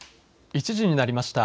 １時になりました。